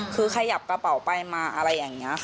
คือขยับกระเป๋าไปมาอะไรอย่างนี้ค่ะ